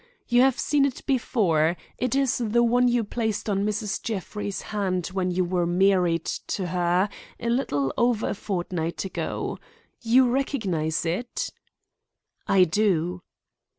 You have seen it before; it is the one you placed on Mrs. Jeffrey's hand when you were married to her a little over a fortnight ago. You recognize it?" "I do."